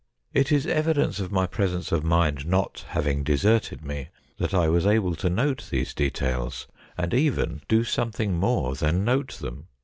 It is evidence of my presence of mind not having deserted me that I was able to note these details, and even do some thing more than note them.